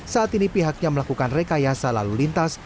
saat ini pihaknya melakukan rekayasa lalu lintas